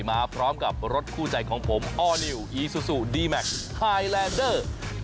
มาพร้อมกับรถคู่ใจของผมออร์นิวอีซูซูดีแมคไฮแลนเดอร์